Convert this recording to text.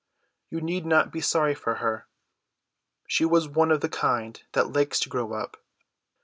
You need not be sorry for her. She was one of the kind that likes to grow up.